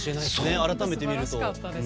改めて見ると。